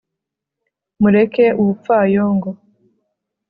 nimureke ubupfayongo